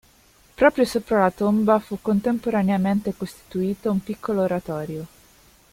Proprio sopra la tomba fu contemporaneamente costruito un piccolo oratorio.